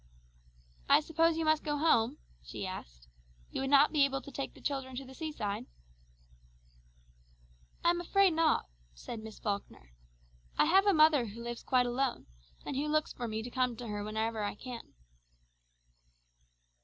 "I suppose you must go home?" she asked. "You would not be able to take the children to the seaside?" "I am afraid not," said Miss Falkner. "I have a mother who lives quite alone, and who looks for me to come to her whenever I can."